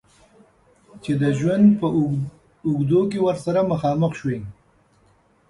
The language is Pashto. چې د ژوند په اوږدو کې ورسره مخامخ شوی.